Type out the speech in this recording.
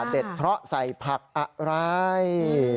เด็ดเพราะใส่ผักอะไร